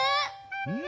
うん。